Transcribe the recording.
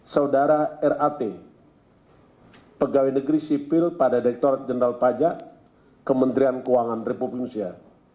saudara rat pegawai negeri sipil pada direkturat jenderal pajak kementerian keuangan republik indonesia